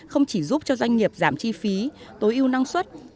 không chỉ giúp cho doanh nghiệp giảm chi phí tối ưu năng suất